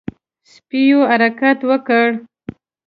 سپيو حرکت وکړ.